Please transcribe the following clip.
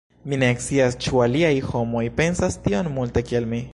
Mi ne scias ĉu aliaj homoj pensas tiom multe kiel mi.